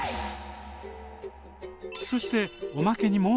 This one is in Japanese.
そしておまけにもう１品。